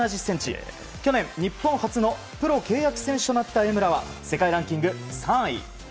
去年、日本初のプロ契約選手となった江村は世界ランキング３位。